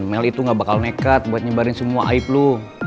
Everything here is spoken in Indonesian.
mel itu gak bakal nekat buat nyebarin semua aib lu